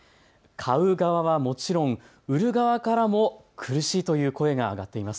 買う側はもちろん、売る側からも苦しいという声が上がっています。